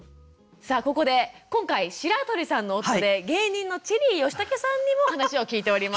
さあここで今回白鳥さんの夫で芸人のチェリー吉武さんにも話を聞いております。